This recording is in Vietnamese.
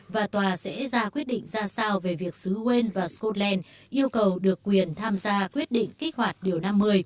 và tòa sẽ ra quyết định ra sao về việc xứ quên và scotland yêu cầu được quyền tham gia quyết định kích hoạt điều năm mươi